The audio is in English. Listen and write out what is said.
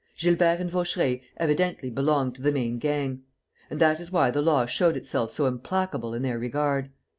Gilbert and Vaucheray evidently belonged to the main gang. And that is why the law showed itself so implacable in their regard.